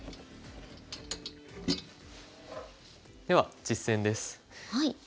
では実戦です。